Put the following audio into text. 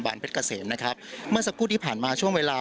เพชรเกษมนะครับเมื่อสักครู่ที่ผ่านมาช่วงเวลา